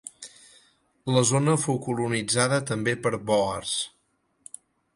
La zona fou colonitzada també per bòers.